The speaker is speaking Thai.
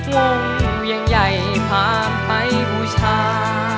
วงอย่างใหญ่พาไปผู้ชา